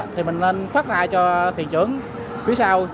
thì mình nên phát ra cho thị trường phía sau